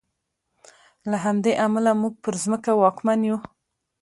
له همدې امله موږ پر ځمکه واکمن یو.